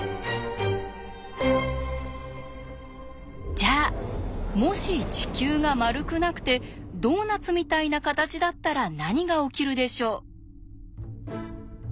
じゃあもし地球が丸くなくてドーナツみたいな形だったら何が起きるでしょう？